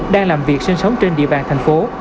đang làm việc sinh sống trên địa bàn thành phố